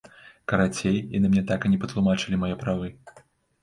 Карацей, яны мне так і не патлумачылі мае правы.